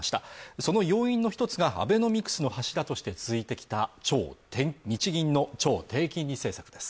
その要因の一つがアベノミクスの柱として続いてきた日銀の超低金利政策です。